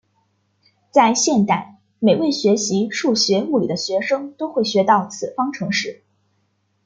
在现代每位学习数学物理的学生都会学到此方程式。